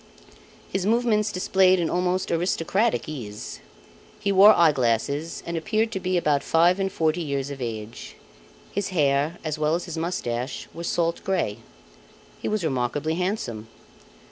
His movements displayed an almost aristocratic ease. He wore eye glasses and appeared to be about five and forty years of age. His hair as well as his moustache were salt grey. He was remarkably handsome.